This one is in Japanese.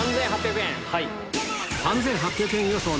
３８００円。